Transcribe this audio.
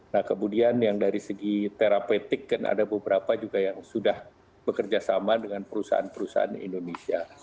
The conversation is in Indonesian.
nah kemudian yang dari segi terapetik kan ada beberapa juga yang sudah bekerja sama dengan perusahaan perusahaan indonesia